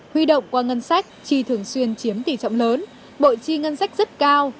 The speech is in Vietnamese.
huy động qua ngân sách chi thường xuyên chiếm tỷ trọng lớn bội chi ngân sách rất cao